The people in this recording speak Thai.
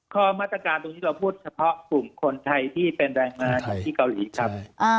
มาตรการตรงนี้เราพูดเฉพาะกลุ่มคนไทยที่เป็นแรงงานอยู่ที่เกาหลีครับ